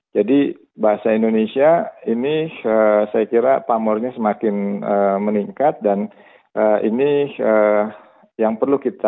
jadi bahasa indonesia ini saya kira pamurnya semakin meningkat dan ini yang perlu kita